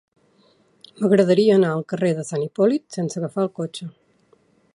M'agradaria anar al carrer de Sant Hipòlit sense agafar el cotxe.